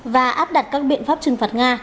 và áp đặt các biện pháp trừng phạt nga